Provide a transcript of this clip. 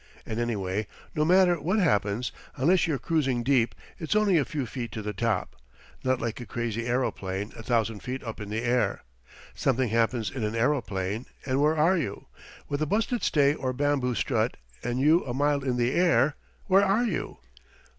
And anyway, no matter what happens, unless you're cruising deep, it's only a few feet to the top. Not like a crazy aeroplane a thousand feet up in the air! Something happens in an aeroplane, and where are you? With a busted stay or bamboo strut and you a mile in the air, where are you?